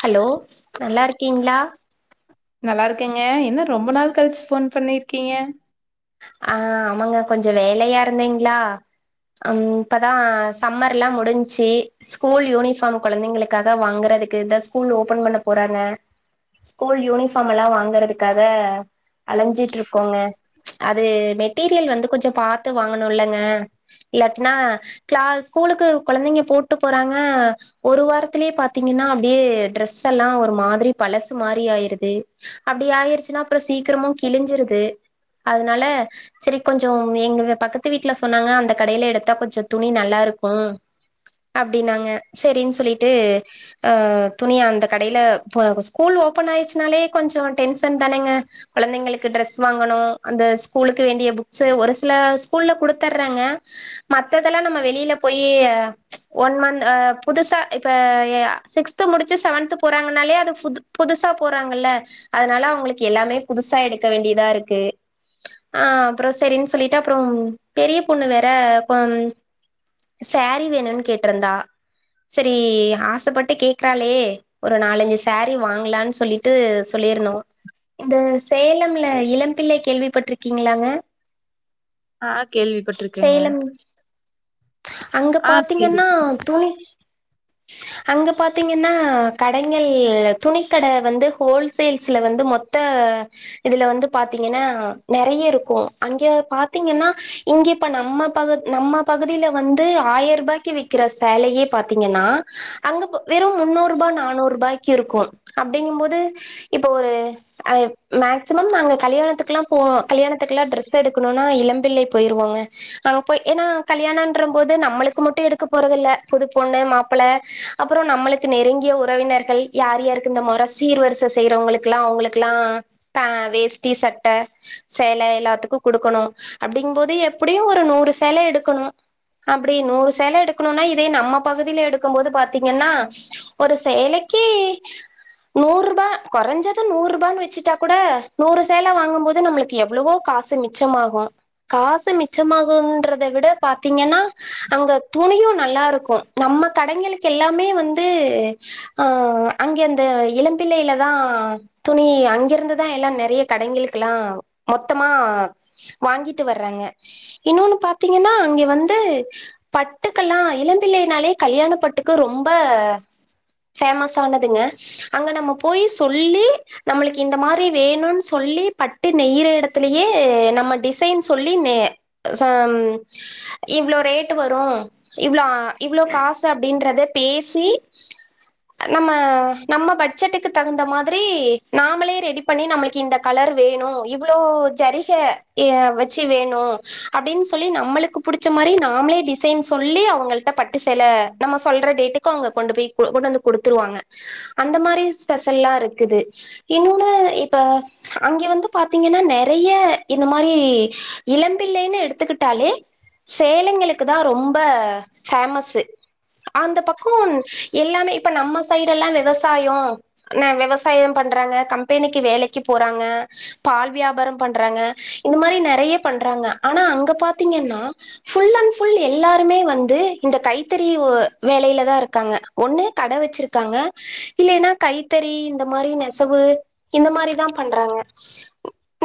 hello நல்லா இருக்கீங்களா நல்லா இருக்கேங்க என்ன ரொம்ப நாள் கழிச்சு ஃபோன் பண்ணிருக்கீங்க ஆ ஆமாங்க கொஞ்ச வேலையா இருந்தேங்களா அம் இப்பதா சம்மர்ல்லா முடிஞ்ச்சு ஸ்கூல் யூனிஃபார்ம் கொழந்தைங்களுக்காக வாங்குறதுக்கு இத ஸ்கூல் ஓபன் பண்ண போறாங்க ஸ்கூல் யூனிஃபாமல்லா வாங்கறதுக்காக அலஞ்சிட்டுருக்கோங்க அது மெட்டீரியல் வந்து கொஞ்ச பாத்து வாங்கணுலங்க இல்லாட்டனா க்ளாஸ் ஸ்கூலுக்கு கொழந்தைங்க போட்டு போறாங்க ஒரு வாரத்திலயே பாத்தீங்கன்னா அப்படியே ட்ரெஸ் எல்லா ஒரு மாதிரி பழசு மாரி ஆயிருது அப்டி ஆயிருச்சுன்னா அப்ரோ சீக்கிரமு கிழிஞ்சிருது அதனால சரி கொஞ்ஜோ எங்க பக்கத்து வீட்டுல சொன்னாங்க அந்த கடையில எடுத்தா கொஞ்ச துணி நல்லாருக்கு அப்டினாங்க சரின்னு சொல்லிட்டு அ துணியா அந்த கடையில ப ஸ்கூல் ஓப்பன் ஆயிருச்சுனாலே கொஞ்ச டென்ஷன் தானங்க கொழந்தைங்களுக்கு ட்ரெஸ் வாங்கணு அந்த ஸ்கூலுக்கு வேண்டிய புக்ஸ்சு ஒரு சில ஸ்கூல்ல குடுத்தர்றாங்க மத்ததெல்லா நம்ம வெளியில போயி ஒன் மந்த் அ புதுசா இப்ப அ சிக்ஸ் த் முடிச்சு செவன்த் போறாங்கன்னாலே அது புது புதுசா போறாங்கல்ல அதனால அவங்களுக்கு எல்லாமே புதுசா எடுக்க வேண்டியதா இருக்கு ஆ அப்றோ சேரின்னு சொல்லிட்டு அப்றோ பெரிய பொண்ணு வேற கொ சாரி வேணு கேட்டுருந்தா செரி ஆசப்பட்டு கேக்றாளே ஒரு நாலஞ்சு சேரீ வாங்கலான்னு சொல்லிட்டு சொல்லியிருந்தோ இந்த சேலம்ல இளம்பிள்ளை கேள்விப்பட்டிருக்கீங்களாங்க ஆ கேள்விப்பட்ருக்கங்க சேலம் அங்க பாத்தீங்கன்னா கேள்விப்பட் துணி [inaudible] அங்க பாத்தீங்கன்னா கடைங்கள் துணி கட வந்து ஹோல்சேல்ஸ்ல வந்து மொத்த இதுல வந்து பாத்தீங்கன்னா நெறைய இருக்கு அங்க பாத்தீங்கன்னா இங்க இப்ப நம்ம ப நம்ம பகுதில வந்து ஆயிர் ரூபாய்க்கு விக்கிற சேலையே பாத்தீங்கன்னா அங்க இப்ப வெறு முன்னுரூபா நானுரூபாய்க்கு இருக்கு அப்டிங்கும் போது இப்ப ஒரு ஆ மேக்சிமம் நாங்க கல்யாணத்துக்குல்லா போ கல்யாணத்துக்குல்லா டிரெஸ் எடுக்கணுனா இளம்பிள்ளை போயிருவோங்க அங்க போய் ஏன்னா கல்யாண [unintelligible] போது நம்மளுக்கு மட்டு எடுக்க போறத இல்ல புது பொண்ணு மாப்பள அப்றோ நம்மளுக்கு நெருங்கிய உறவினர்கள் யார் யாருக்கு இந்த மொற சீர்வரிச செய்யறவங்களுக்குல்லா அவங்களுக்குல்லா ஆ வேஷ்டி சட்ட சேல எல்லாத்துக்கு குடுக்கணு அப்டிங்கும் போது எப்டியு ஒரு நூறு சேல எடுக்கணு அப்டி நூறு சேல எடுக்கணுனா இதே நம்ம பகுதில எடுக்கும் போது பாத்தீங்கன்னா ஒரு சேலக்கி நூர்ரூபா கொறஞ்சது நூர்ரூபான்னு வெச்சுட்டா கூட நூறு சேல வாங்கும்போது நம்மளுக்கு எவ்ளவோ கா மிச்சமாகு காசு மிச்சமாகுன்றத விட பாத் த்தீங்கன்னா அங்க துணியு நல்லா இருக்கு நம்ம கடைங்களுக்கு எல்லாமே வந்து ஆ அங்க அந்த இளம்பிள்ளைலதா துணி அங்கிருந்துதா எல்லா நெறைய கடைங்களுக்குல்லா மொத்தமா வாங்கிட்டு வர்றங்க இன்னொன்னு பாத்தீங்கன்னா அங்க வந்து பட்டுக்கெல்லா இளம்பிள்ளைனாலே கல்யாண பட்டுக்கு ரொம்ப பேஃமஸ் ஆனதுங்க அங்க நம்ம போயி சொல்லி நம்மளுக்கு இந்த மாரி வேணுனு சொல்லி பட்டு நெயிற எடத்துலயே நம்ம டிசைன் சொல்லி நெ [unintelligible] இவ்ளோ ரேட்டு வரு இவ்ளோ ஆ இவ்ளோ காசு அப்டின்றத பேசி நம்ம நம்ம பட்ஜெட்டுக்கு தகுந்த மாதிரி நாமளே ரெடி பண்ணி நம்மளுக்கு இந்த கலர் வேணு இவ்ளோ ஜரிக வெச்சு வேணு அப்டின்னு சொல்லி நம்மளுக்கு புடிச்ச மாரி நாமளே டிசைன் சொல்லி அவங்கள்ட பட்டு சேல நம்ம சொல்ற டேட்டுக்கு அவங்க கொண்டு போய் கொண்டு வந்து குடுத்துருவாங்க அந்த மாரி ஸ்பெஷல்லா இருக்குது இன்னொன்னு இப்ப அங்க வந்து பாத்தீங்கன்னா நெறைய இந்த மாரி இளம்பிள்ளைன்னு எடுத்துக்கிட்டாலே சேலைங்களுக்கு தா ரொம்ப ஃபேமஸ்சு அந்த பக்கோ எல்லாமே இப்ப நம்ம சைடு எல்லா விவசாயோ என்ன விவசாய பண்றாங்க கம்பெனிக்கு வேலைக்கி போறாங்க பால் வியாபார பண்றாங்க இந்த மாரி நெறைய பண்றாங்க ஆனா அங்க பாத்தீங்கன்னா ஃபுல் அண்ட் ஃபுல் எல்லாருமே வந்து இந்த கைத்தறி வேலையிலதா இருக்காங்க ஒன்னு கட வெச்சிருக்காங்க இல்லேனா கைத்தறி இந்த மாரி நெசவு இந்த மாரிதா பண்றாங்க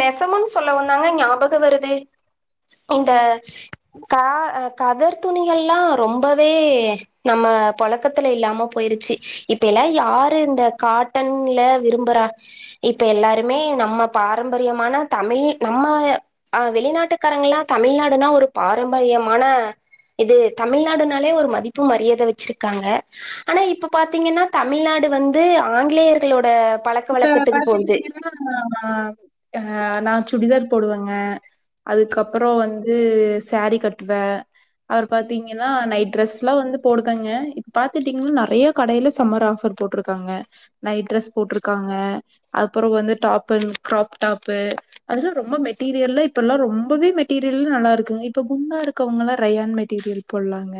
நெசவுன் சொல்லவுந்தாங்க ஞாபக வருது இந்த கா அ கதர் துணிகள்லா ரொம்பவே நம்ம பொழக்கத்துல இல்லாம போய்ருச்சி இப்பயெல்லா யாரு இந்த காட்டன்ல விரும்பறா இப்ப எல்லாருமே நம்ம பாரம்பரியமான தமிழ் நம்ம ஆ வெளிநாட்டுக்காரங்கல்லா தமிழ்நாடுனா ஒரு பாரம்பரியமான இது தமிழ்நாடுனாலே ஒரு மதிப்பு மரியாத வெச்சிருக்காங்க ஆனா இப்ப பாத்தீங்கன்னா தமிழ்நாடு வந்து ஆங்கிலேயர்களோட பழக்க வழக்கத்துக்கு போகுது ஆமா ஆ நா சுடிதார் போடுவங்க அதுக்கப்றோ வந்து சேரி கட்டுவே அவர் பாத்தீங்கன்னா நைட் ட்ரஸ்லா வந்து போடுக்காங்க இப்ப பாத்துட்டீங்ன் நெறைய கடைல சம்மர் ஆஃபர் போட்ருக்காங்க நைட் ட்ரஸ் போட்ருக்காங்க அப்பறோ வந்து டாப்பு அண் க்ராப் டாப்பு அதுலா ரொம்ப மெட்டீரியல்லா இப்பல்லா ரொம்பவே மெட்டீரியல்லா நல்லாருக்குங் இப்ப குண்டா இருக்கவ்ங்கல்லா ரையான் மெட்டீரியல் பொல்லாங்க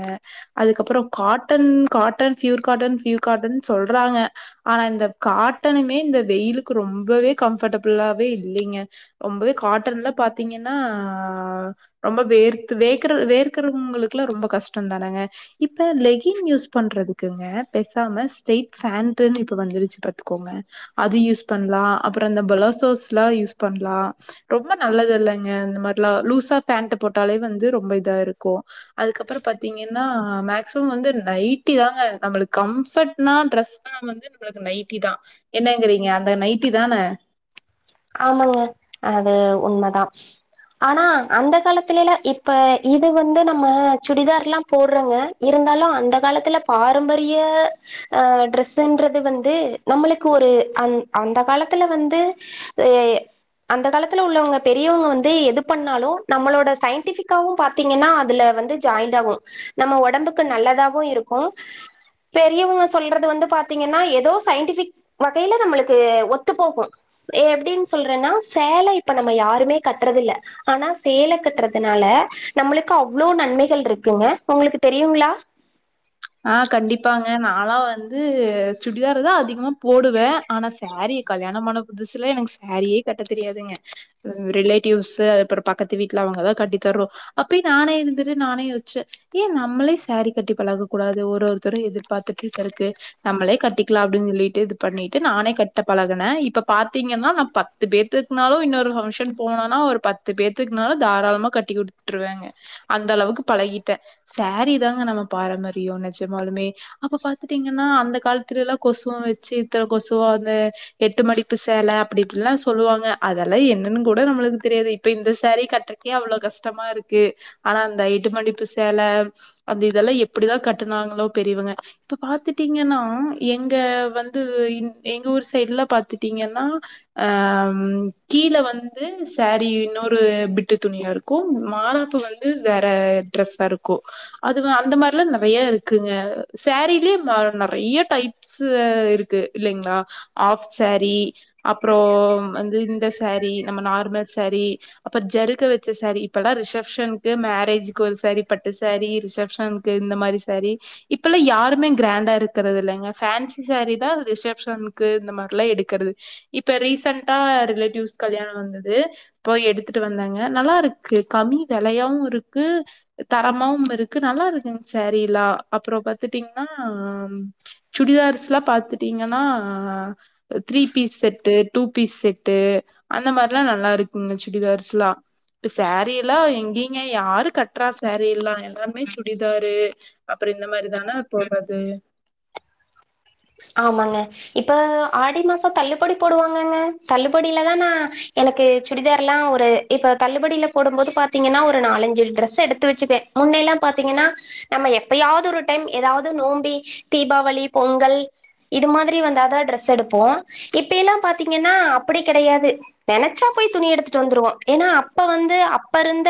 அதுக்கப்றோ cotton cotton pure cotton pure cotton சொல்றாங்க ஆனா இந்த காட்டனுமே இந்த வெய்லுக்கு ரொம்பவே கம்ஃபடபிளாவே இல்லீங்க ரொம்பவே காட்டன்லா பாத்தீங்கன்னா ரொம்ப வேர்த்து வேக்கற வேர்க்கறவுங்களுக்குலா ரொம்ப கஷ்டந்தானங்க இப்ப லெகின் யூஸ் பண்றதுக்குங்க போசாம ஸ்ட்ரெய்ட் ஃபேண்ட்டுன் இப்ப வந்துருச்சு பாத்து க்கோங்க அது யூஸ் பண்லா அப்பறோ இந்த பலோசோஸ்லா யூஸ் பண்லா ரொம்ப நல்லதுல்லங்க இந்த மாரிலா லூஸா ஃபேண்ட்டு போட்டாலே வந்து ரொம்ப இதா இருக்கு அதுக்கப்பறோ பாத்தீங்கன்னா மேக்ஸ்மம் வந்து நைட்டி தாங்க நம்மளுக் கம்ஃபட்னா ட்ரஸ் ஸுன்னா வந்து நம்மளுக் நைட்டி தா என்னங்கறீங்க அந்த நைட்டி தான ஆமாங்க அது உண்மதா ஆனா அந்த காலத்துலலா இப்ப இது வந்து நம்ம சுடிதார்லா போட்றோங்க இருந்தாலு அந்த காலத்துல பாரம்பரிய ஆ ட்ரஸ்ஸுன்றது வந்து நம்மளுக்கு ஒரு அந் அந்த காலத்துல வந்து சே அந்த காலத்துல உள்ளவங்க பெரியவங்க வந்து எது பண்ணாலு நம்மளோட சய்ன்ட்டிஃபிக்காவு பாத் தீங்கன்னா அதுல வந்து ஜாய்ண்ட் ஆகு நம்ம ஒடம்புக்கு நல்லதாவு இருக்கு பெரியவங்க சொல்றது வந்து பாத்தீங்கன்னா எதோ சய்ன்ட்டிஃபிக் வகைல நம்ளுக்கு ஒத்து போகு ஏ எப்டின் சொல்றன்னா சேல இப்ப நம்ம யாருமே கட்றதில்ல ஆனா சேல கட்றதுனால நம்மளுக்கு அவ்ளோ நன்மைகள்ருக்குங்க உங்களுக்கு தெரியுங்ளா ஆ கண்டிப்பாங்க நாலா வந்து சுடிதாரு தா அதிகமா போடுவே ஆனா சேரி கல்யாணமான புதுசுல எனக் சேரியே கட்ட தெரியாதுங்க ம் ரிலேட்டிவ்ஸ்ஸு அப்பறோ பக்கத்து வீட்ல அவ்ங்கதா கட்டித்தர்ணு அப்பயே நானே இருந்துட்டு நானே யோஸ்ச்சே ஏ நம்மளே சேரி கட்டி பழக க்கூடாது ஒரு ஒருத்தரு எதிர்பாத்துட்ருக்கறக்கு நம்மளே கட்டிக்கலா அப்டின் சொல்லீட்டு இது பண்ணீட்டு நானே கட்ட பழகுனே இப்ப பாத்தீங்கன்னா நா பத் து பேர்த்துக்னாலு இன்னோரு ஃபம்க்ஷன் போனானா ஒரு பத்து பேர்த்துக்னாலு தாராளமா கட்டி குடுத்துருவேங்க அந்தளவுக்கு பழகிட்டே சேரி தாங்க நம்ம பாரம்பரியோ நெஜமாலுமே அப்ப பாத்துட்டீங்கன்னா அந்த காலத்துலெல்லா கொசுவு வெச்சு இத்தன கொசுவு வந்து எட்டு மடிப்பு சேல அப்டி இப்டில்லா சொல்லுவாங்க அதெல்லா என்னன்னு கூட நம்மளுக்கு தெரியாது இப்ப இந்த சேரீ கட் ஏ அவ்ளோ கஷ்டமாருக்கு ஆனா அந்த எட்டு மடிப்பு சேல அந்த இதெல்லா எப் புடிதா கட்டுனாங்களோ பெரியவங்க இப்ப பாத்துட்டீங்கன்னா எங்க வந்து எங்க ஊர் சைட்ல பாத்துட்டீங்கன்னா அ கீழ வந்து சாரீ இன்னொரு பிட்டு துணியா இருக் க்கு மாராப்பு வந்து வேற டிரெஸ்ஸாருக்கு அது அந்த மாரி ல நறைய இருக்குங்க சேரீலயே ந நறைய டைப்ஸ் இருக்கு இல்லைங்களா ஆஃப் சேரீ அப்பறோ வந்து இந்த சேரீ நம்ம நார்மல் சேரீ அப்ப ஜெருக வச்ச சாரீ இப்பல்லா ரிசப்ஷனுக்கு மேரேஜுக்கு ஒரு சாரீ பட்டு சாரீ ரிசப்ஷன் க்கு இந்த மாரி சாரீ இப்பெல்லா யாருமே கிராண்டா இருக்கறது இல்லைங்க ஃபேன்சி சாரீ தா அது ரிசப்ஷனுக்கு இந்த மாரில்லா எடுக்கறது இப்ப ரீசன்டா ரிலேட்டிவ்ஸ் கல்யாணோ வந்தது போய் எடுத்துட்டு வந்தாங்க நல்லாருக்கு கம்மி வெலயாவு இருக்கு தரமாவுமிருக்கு நல்லாருக்குங்க சாரீயெல்லா அப்பறோ பாத்துட்டீங்கன்னா ம் சுடிதார்ஸ்ல்லாம் பாத்துட்டீங்கன்னா three piece set two piece set அந்த மாரிலா நல்லாருக்குங்க சடிதார்ஸ்லா இப்ப சேரீல்லா எங்கிங்க யாரு கட்றா சேரீல்லா எல்லாருமே சுடி டிதாரு அப்பறோ இந்த மாரி தான போறது ஆமாங்க இப்ப ஆடி மாசோ தள்ளுபடி போடுவாங்கங்க தள்ளுபடியிலதா நா எனக்கு சுடிதார்ல்லா‌ஒரு இப்ப தள்ளுபடியில போடும் போது பாத்தீங்கன்னா ஒரு நாலஞ்சு டிரெஸ் எடுத்து வச்சுப்பே முன்னயெல்லா பாத்தீங்கன்னா நம்ம எப்யாவது ஒரு டைம் ஏதாது நோம்பி தீபாவளி பொங்கல் இது மாதிரி வந்தாதா ட்ரெஸ் எடுப்போ இப்பெல்லா பாத்தீங்கன்னா அப்பிடி கெடையாது நெனச்சா போய் துணி எடுத்துட்டு வந்துருவோ ஏன்னா அப்ப வந்து அப்பருந்த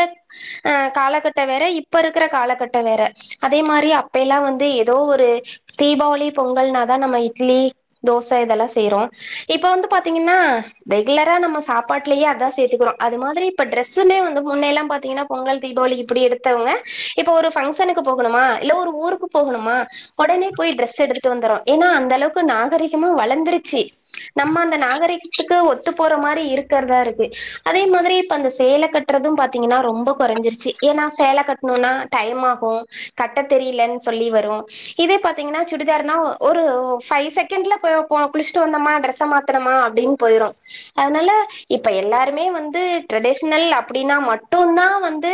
ஆ காலகட்ட வேற இப்ப இருக்கற காலகட்ட வேற அதே மாரி அப்பெல்லா வந்து ஏதோ ஒரு தீபாவளி பொங்கல்னாதா நம்ம இட்லி தோச இதெல்லா செய்றோ இப்ப வந்து பாத்தீங்கன்னா ரெகுலரா நம்ம சாப்பாட்லயே அதா சேத்துக்குறோ அது மாதிரி இப்ப டிரெஸ்ஸுமே வந்து முன்ன எல்லா பாத்தீங்கன்னா பொங்கல் தீபாவளி இப்பிடி எடுத்தவங்க இப்ப ஒரு ஃபங்க்ஷனுக்கு போகணுமா இல்ல ஒரு ஊருக்கு போகணுமா ஒடனே போய் ட்ரெஸ் எடுத்துட்டு வந்துருவோ ஏன்னா அந்த அளவுக்கு நாகரிகமும் வளர்ந்துருச்சு நம்ம அந்த நாகரிகத்துக்கு ஒத்து போற மாரி இருக்கறதா இருக்கு அதே மாரி இப்ப அந்த சேல கட் றது பாத்தீங்கன்னா ரொம்ப கெறைஞ்சிருச்சு ஏன்னா சேல கட்ணுன்னா டைமாகு கட்ட தெரியலன்னு சொல்லி வரு இதே பாத்தீங்கன்னா சுடிதார்னா ஒரு ஃபைவ் செகண்ட்ல போய் குளிச்சுட்டு வந்தோமா டிரெஸ்ஸ மாத்தனமா அப்டின்னு போயிரு அதனால இப்ப எல்லாருமே வந்து ட்ரெடிஷனல் அப்டின்னா மட்டு தா வந்து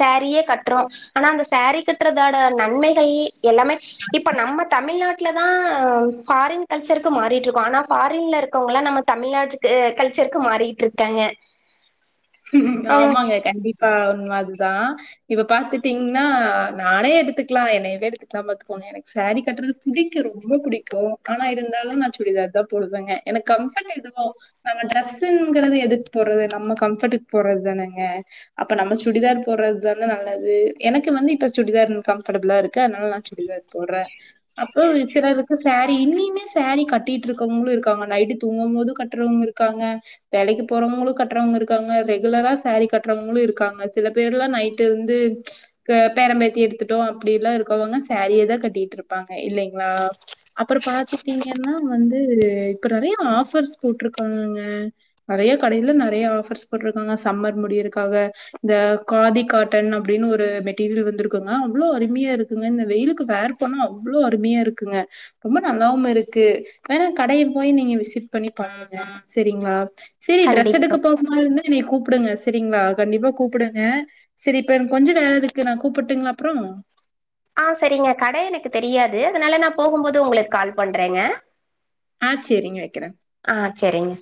சேரீயே கட்றோ ஆனா அந்த சேரீ கட்றதோட நன்மைகள் எல்லாமே இப்ப நம்ம தமிழ்நாட் லதா ஃபாரின் கல்ச்சருக்கு மாறிட்டுருக்கோ ஆனா ஃபாரின்ல இருக்கவங்கள நம்ம தமிழ்நாட்டு அ கல்ச்சருக்கு மாறிட்டுருக்காங்க ஆமாங்க கண்டிப்பா உண்ம அதுதா இப்ப பாத்துட்டீஙன்னா நானே எடுத்துக்கலா என்னயவே எடுத்துக்கலா பாத்துக்கோங்க எனக் சாரீ கட்றது புடிக்கு ரொம்ப புடிக்கு ஆனா இருந்தாலும் நா சுடிதார் தா போடுவேங்க எனக்கு கம்பர்ட் எதுவோ நம்ம டிரெஸ்ங்குறது எதுக்கு போறது நம்ம கம்பர்ட்க் போறதுதானங்க அப்ப நம்ம சுடிதார் போறது தானே நல்லது எனக்கு வந்து இப்ப சுடிதார் கம்ஃபர்டபுளா இருக்கு அனால நா சுடிதார் போட்றே அப்றோ சிலருக்கு சாரீ இன்னயுமே சாரீ கட்டிட்டு இருக்கவங்களு இருக்காங்க நைட்டு தூங்கும் போது கட்றவங்க இருக்காங்க வேலைக்கு போறவங்களு கட்றவங்க இருக்காங்க ரெகுலரா சேரீ கட்றவங்களு இருக்காங்க சில பேர்லா நைட்டு வந்து அ பேரம் பேத்தி எடுத்துட்டோ அப்டில்லா இருக்கவங்க சாரீயே தா கட்டிட்டு இருப்பாங்க இல்லைங்ளா அப்பறோ பாத்துட்டீங்கன்னா வந்து இப்ப நெறயா ஆஃபர்ஸ் போட்ருக்காங்கங்க நெறையா கடையல நெறையா ஆஃபர்ஸ் போட்ருக்காங்க சம்மர் முடியறக்காக இந்த காதி காட்டன் அப்டின்னு ஒரு மெட்டீரியல் வந்துருக்குங்க அவ்ளோ அருமயா இருக்குங்க இந்த வெயிலுக்கு வேர் பன்னா அவ்வளோ அருமையா இருக்குங்க ரொம்ப நல்லாவும் இருக்கு வேணா கடைய போய் நீங்க விசிட் பண்ணி பாருங்க செரிங்களா செரி டிரெஸ் கண்டிப்பா எடுக்க போற மாரி இருந்தா என்னைய கூப்டுங்க சரிங்களா கண்டிப்பா கூப்டுங்க சரி இப்ப எனக்கு கொஞ்ச வேல இருக்கு நா கூப்ட்டுங்களா அப்பறோ ஆ சரிங்க கட எனக்கு தெரியாது அதனால நா போகும்போது உங்களுக்கு கால் பண்றேங்க ஆ செரிங்க வக்கிறே ஆ செரிங்க